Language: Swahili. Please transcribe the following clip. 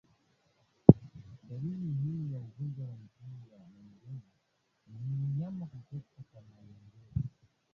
Dalili muhimu ya ugonjwa wa miguu na midomo ni mnyama kutokwa malengelenge